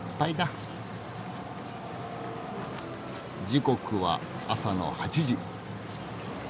時刻は朝の８時。